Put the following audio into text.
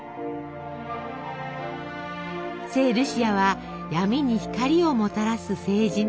聖ルシアは「闇に光をもたらす聖人」。